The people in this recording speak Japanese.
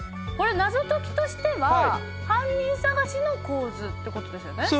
謎解きとしては犯人捜しの構図ってことですよね？